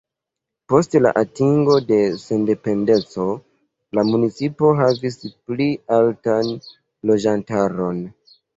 Post la atingo de sendependeco la municipo havis pli altan loĝantaron.